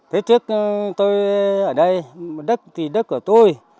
thế trước tôi ở đây đất thì đất của tôi